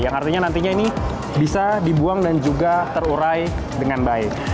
yang artinya nantinya ini bisa dibuang dan juga terurai dengan baik